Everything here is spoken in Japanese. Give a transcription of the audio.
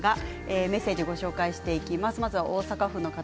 メッセージをご紹介します。